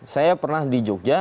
saya pernah di jogja